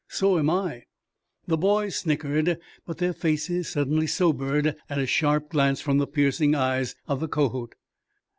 So am I." The boys snickered, but their faces suddenly sobered at a sharp glance from the piercing eyes of the Kohot.